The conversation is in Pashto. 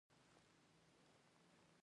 د ګڼو باغونو هیواد افغانستان.